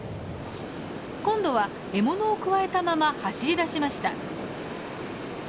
今度は獲物をくわえたまま走り出しました。